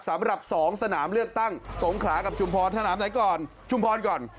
สำหรับ๒สนามเรือบตั้งทรงขากับชุมพรสนามไหนก่อน